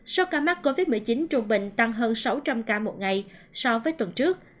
số ca mắc covid một mươi chín trung bình tăng hơn sáu trăm linh ca một ngày so với tuần trước